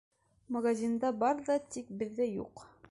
— Магазинда бар ҙа, тик беҙҙә юҡ.